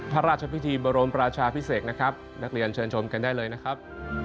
พระราชพิธีบรมราชาพิเศษนะครับนักเรียนเชิญชมกันได้เลยนะครับ